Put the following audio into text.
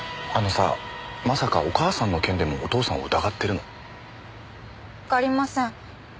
あのさまさかお母さんの件でもお父さんを疑ってるの？わかりません。